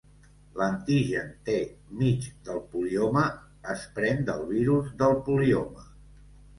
L'antigen T mig del polioma es pren del virus del polioma.